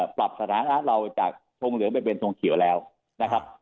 ปรับสถานะเราจากทรงเหลืองไปเป็นทรงเขียวแล้วนะครับ